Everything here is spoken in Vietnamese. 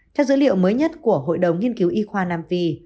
theo dữ liệu mới nhất của hội đồng nghiên cứu y khoa nam phi